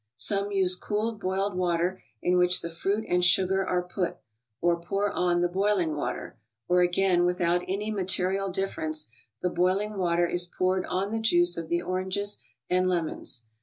Some use cooled boiled water in which the fruit and sugar are put, or pour on the boiling water; or, again, without any material difference, the boiling water is poured on the juice of the oranges and lemons.